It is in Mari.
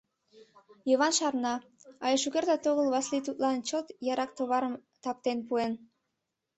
Йыван шарна: але шукертат огыл Васлий тудлан чылт ярак товарым таптен пуэн.